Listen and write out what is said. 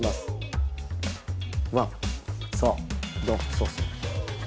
そうそう。